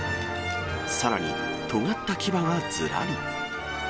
さらに、とがった牙がずらり。